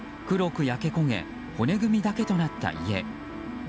黒く焼け焦げ骨組みだけとなった家。